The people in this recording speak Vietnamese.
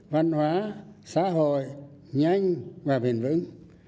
văn hóa xã hội nhanh và bền vững